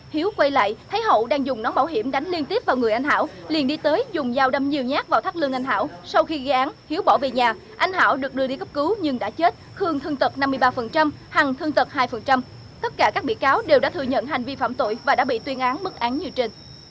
hiếu quay lại thấy hậu đang dùng nón bảo hiểm đánh liên tiếp vào người anh hảo liền đi tới dùng dao đâm nhiều nhát vào thắt lương anh hảo sau khi gây án hiếu bỏ về nhà anh hảo được đưa đi cấp cứu nhưng đã chết hương thương tật năm mươi ba hằng thương tật hai tất cả các bị cáo đều đã thừa nhận hành vi phạm tội và đã bị tuyên án bức án như trên